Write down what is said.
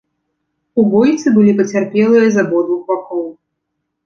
У бойцы былі пацярпелыя з абодвух бакоў.